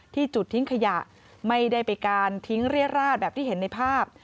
ที่จุดทิ้งขยะไม่ได้ไปการทิ้งเรียดราดแบบที่เห็นในภาพ